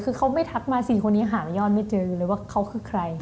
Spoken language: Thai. คือเขาไม่ทักมา๔คนนี้หายอดไม่เจอเลยว่าเขาคือใคร